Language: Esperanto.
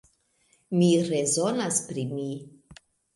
Mi rezonas pri mi.